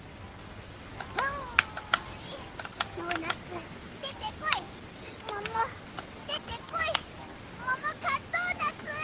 うんドーナツでてこいももでてこいももかドーナツ！